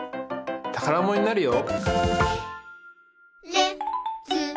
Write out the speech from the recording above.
たからものになるよ！